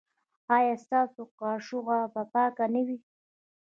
ایا ستاسو کاشوغه به پاکه نه وي؟